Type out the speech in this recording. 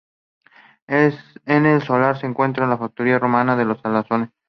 En el solar se encontró una factoría romana de salazones.